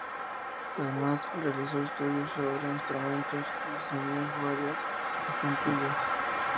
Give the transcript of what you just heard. Además, realizó estudios sobre instrumentos, y diseñó varias estampillas.